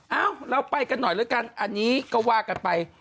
เอ้าเราไปกันหน่อยแล้วกันอันนี้ก็ว่ากันไป